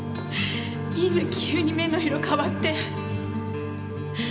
みんな急に目の色変わって。